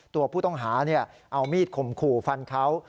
ตัวผู้ต้องหาเอามีดข่มขู่ฟันเขา